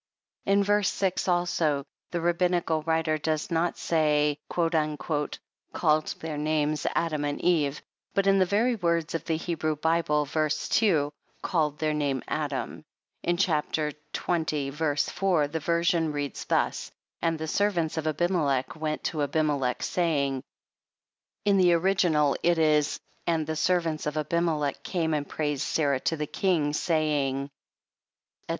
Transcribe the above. In v. 6 also, the Rabbinical writer does not say "called their names Adam and Eve," but in the very words of the Hebrew bible, v. 2, " called their name Adam." In chap, xx, v. 4, the version reads thus; " and the ser vants of Abimelech went to Abimelech, saying," in the original it is " and the servants of Abimelech came and praised Sarah to the king, saying, &c."